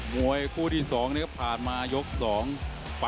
มวยเขว๊ะซูนรันดี๒